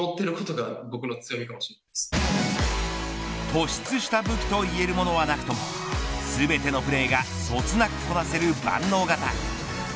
突出した武器といえるものはなくとも全てのプレーがそつなくこなせる万能型。